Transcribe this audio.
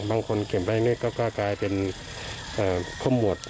บางคนเก็บให้กลายเป็นข้มหมวด